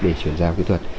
để chuyển giao kỹ thuật